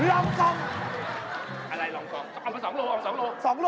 อะไรลองกองเอามาสองโลเอามาสองโล